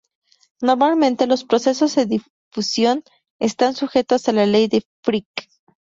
Normalmente los procesos de difusión están sujetos a la ley de Fick.